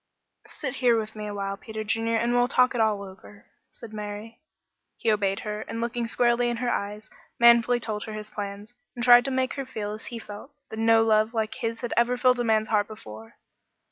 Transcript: "Sit here with me awhile, Peter Junior, and we'll talk it all over," said Mary. He obeyed her, and looking squarely in her eyes, manfully told her his plans, and tried to make her feel as he felt, that no love like his had ever filled a man's heart before.